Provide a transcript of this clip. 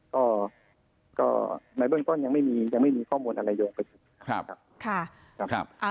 ก็ยังไม่มีข้อมูลอะไรต่างอยู่